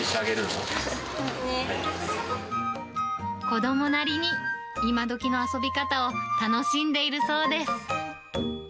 子どもなりに今どきの遊び方を楽しんでいるそうです。